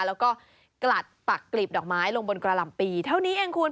แล้วก็กลัดปักกลีบดอกไม้ลงบนกระหล่ำปีเท่านี้เองคุณ